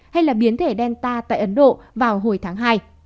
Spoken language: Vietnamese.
hay là biến thể delta tại ấn độ vào hồi tháng hai